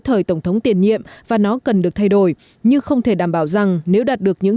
thời tổng thống tiền nhiệm và nó cần được thay đổi nhưng không thể đảm bảo rằng nếu đạt được những